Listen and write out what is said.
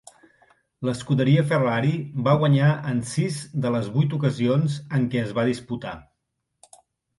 L'escuderia Ferrari va guanyar en sis de les vuit ocasions en què es va disputar.